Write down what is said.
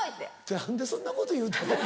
何でそんなこと言うたげるの。